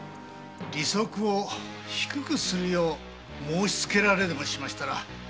利息を低くするよう申しつけられでもしましたら大事。